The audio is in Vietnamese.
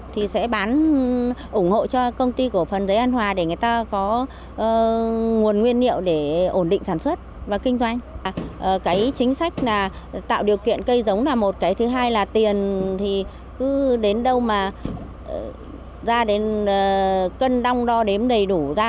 thì sẽ bán ủng hộ cho công ty của phần giấy